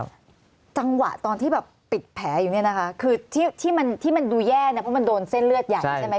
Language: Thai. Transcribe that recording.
แต่จังหวะตอนที่แบบติดแผลอยู่นี่นะคะคือที่มันดูแย่นะเพราะมันโดนเส้นเลือดใหญ่ใช่ไหมพี่